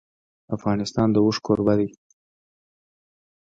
افغانستان د اوښ کوربه دی.